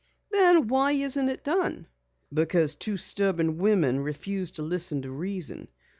"Then why isn't it done?" "Because two stubborn women refuse to listen to reason.